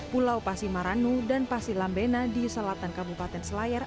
pulau pasimaranu dan pasilambena di selatan kabupaten selayar